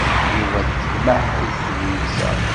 Yuba temmaḥ-it Lwiza.